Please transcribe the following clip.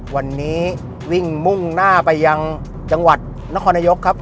วันนี้วิ่งมุ่งหน้าไปยังจังหวัดนครนายกครับ